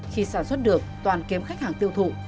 khi sản xuất được toàn kém khách hàng tiêu thụ